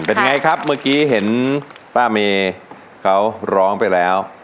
เป็นไงครับเมื่อกี้เห็นป้าเมย์เขาร้องไปแล้ว